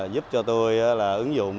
giúp cho tôi ứng dụng